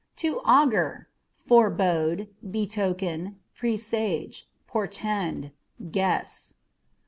To Augur â€" forebode, betoken, presage, portend ; guess.